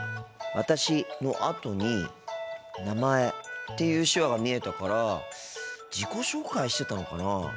「私」のあとに「名前」っていう手話が見えたから自己紹介してたのかなあ。